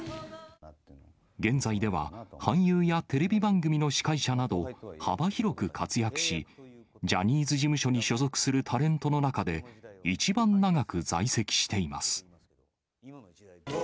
現在では、俳優やテレビ番組の司会者など、幅広く活躍し、ジャニーズ事務所に所属するタレントの中で一番長く在籍しています。